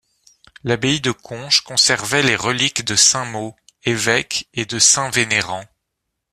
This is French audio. L'abbaye de Conches conservait les reliques de saint Mauxe, évêque, et de saint Vénérand.